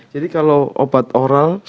jadi kalau obat oral